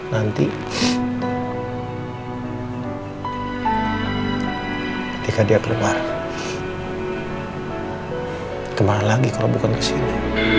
nanti ketika dia keluar kemarin lagi kalau bukan kesini